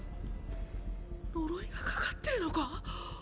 呪いがかかってるのか？